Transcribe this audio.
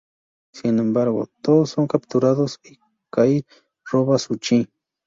Sin embargo, todos son capturados y Kai roba su Chi.